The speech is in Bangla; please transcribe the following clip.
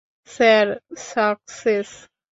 Sir, success.